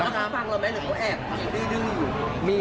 มองทำถึงลองเลยหรือลูกแอบต่ออยู่